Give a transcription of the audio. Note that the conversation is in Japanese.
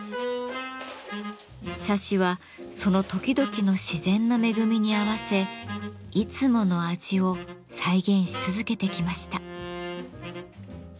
茶師はその時々の自然の恵みに合わせいつもの味を再現し続けてきました。